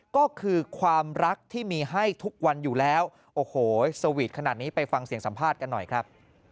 ก็คือความรักที่มีให้ทุกวันอยู่แล้วโอ้โหสวีทขนาดนี้ไปฟังเสียงสัมภาษณ์กันหน่อยครับ